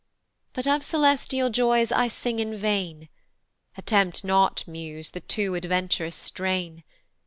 But of celestial joys I sing in vain: Attempt not, muse, the too advent'rous strain.